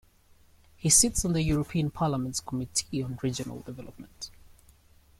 He sits on the European Parliament's Committee on Regional Development.